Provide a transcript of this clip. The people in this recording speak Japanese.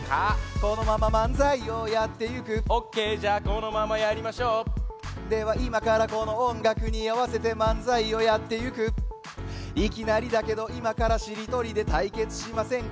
このまままんざいをやってゆくオッケーじゃあこのままやりましょうではいまからこのおんがくにあわせてまんざいをやってゆくいきなりだけどいまからしりとりでたいけつしませんか？